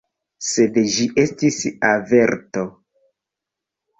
Sed ĝi estis averto.